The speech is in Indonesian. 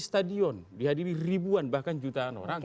stadion di hadirin ribuan bahkan jutaan orang itu